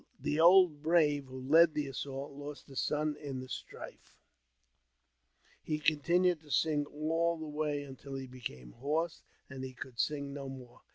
The old brave who led the assault lost a son in the strife ; he continued to sing all the way until he became hoarse, and he could sing no more.